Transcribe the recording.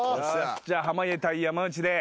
じゃあ濱家対山内で。